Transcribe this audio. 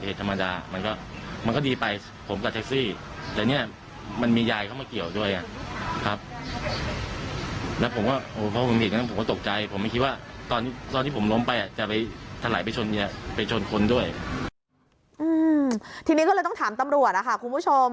ทีนี้ก็เลยต้องถามตำรวจนะคะคุณผู้ชม